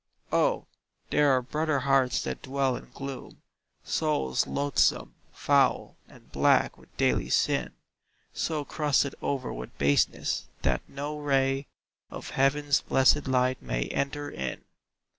O, there are brother hearts that dwell in gloom, Souls loathsome, foul, and black with daily sin, So crusted o'er with baseness, that no ray Of heaven's blessed light may enter in!